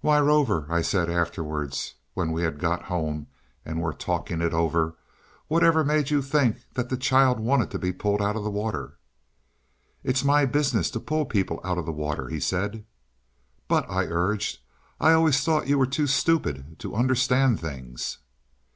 "Why, Rover," I said afterwards, when we had got home and were talking it over, "whatever made you think that the child wanted to be pulled out of the water?" "It's my business to pull people out of the water," he said. "But," I urged, "I always thought you were too stupid to understand things."